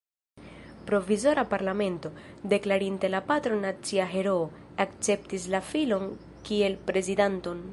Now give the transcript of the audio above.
Provizora parlamento, deklarinte la patron nacia heroo, akceptis la filon kiel prezidanton.